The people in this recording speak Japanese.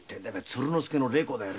鶴之助の「これ」だよ。